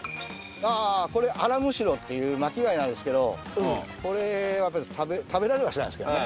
ああこれアラムシロっていう巻き貝なんですけどこれは食べられはしないですけどね。